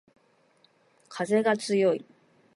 かぜがつよい